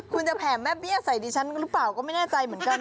คุณจะแผ่แม่เบี้ยใส่ดิฉันหรือเปล่าก็ไม่แน่ใจเหมือนกัน